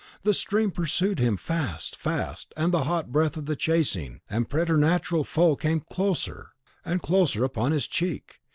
The stream pursued him fast fast; and the hot breath of the chasing and preternatural foe came closer and closer upon his cheek!